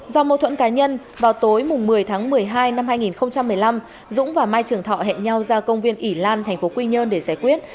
do mâu thuẫn cá nhân vào tối một mươi một mươi hai hai nghìn một mươi năm dũng và mai trường thọ hẹn nhau ra công viên ỉ lan tp quy nhơn để giải quyết